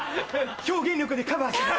表現力でカバーする。